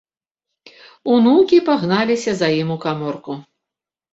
Унукі пагналіся за ім у каморку.